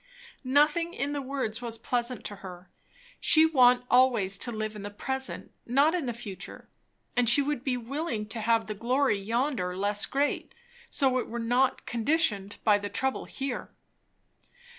Nothing in the words was pleasant to her. She was wont always to live in the present, not in the future; and she would be willing to have the glory yonder less great, so it were not conditioned by the trouble here.